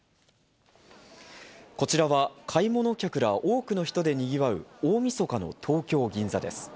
こちらは買い物客ら、多くの人でにぎわう大みそかの東京・銀座です。